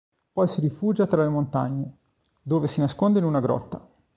Poi si rifugia tra le montagne, dove si nasconde in una grotta.